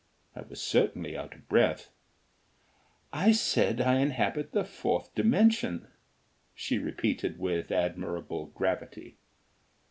I was certainly out of breath. "I said I inhabit the Fourth Dimension," she repeated with admirable gravity.